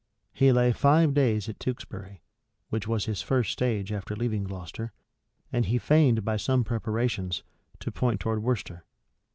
He lay five days at Tewkesbury, which was his first stage after leaving Gloucester; and he feigned, by some preparations, to point towards Worcester.